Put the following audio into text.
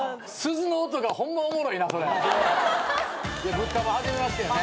ぶったま初めましてやね。